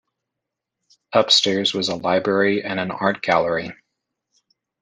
Upstairs was a library and an art gallery.